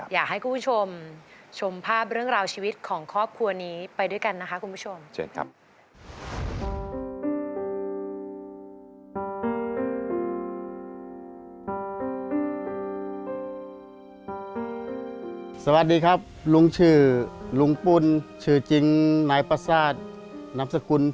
อยากให้คุณผู้ชมชมภาพเรื่องราวชีวิตของครอบครัวนี้ไปด้วยกันนะคะคุณผู้ชมเชิญครับ